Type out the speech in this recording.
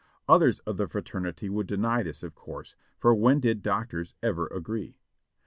Others of the fraternity would deny this of course, for when did doctors ever agree?